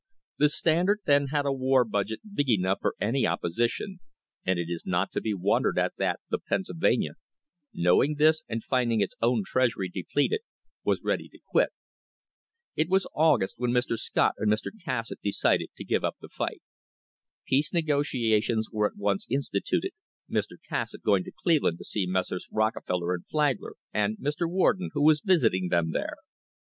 The Standard then had a war budget big enough for any opposi tion, and it is not to be wondered at that the Pennsylvania, knowing this and rinding its own treasury depleted, was ready to quit. It was August when Mr. Scott and Mr. Cassatt decided to give up the fight. Peace negotiations were at once instituted, Mr. Cassatt going to Cleveland to see Messrs. Rockefeller and Flagler, and Mr. Warden, who was visiting them there.